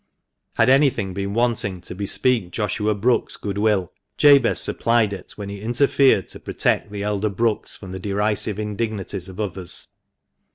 Had anything been wanting to bespeak Joshua Brookes's good will, Jabez supplied it when he interfered to protect the elder Brookes from the derisive indignities of others.